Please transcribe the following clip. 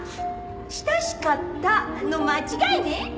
「親しかった」の間違いね。